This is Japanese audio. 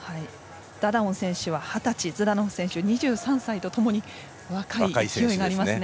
ダダオン選手は二十歳ズダノフ選手は２３歳とともに若い、勢いがありますね。